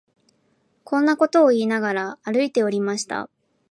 こんなことを言いながら、歩いておりました